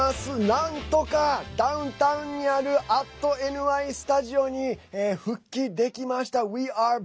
なんとか、ダウンタウンにある＠ｎｙスタジオに復帰できました。